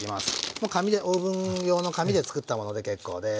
もう紙でオーブン用の紙でつくったもので結構です。